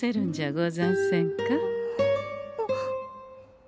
あっ。